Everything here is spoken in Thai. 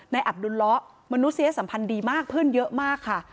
อับดุลเลาะมนุษยสัมพันธ์ดีมากเพื่อนเยอะมากค่ะ